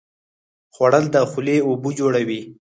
خوړل د خولې اوبه جوړوي